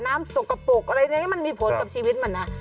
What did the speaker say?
สกปรกอะไรในนี้มันมีผลกับชีวิตมันนะ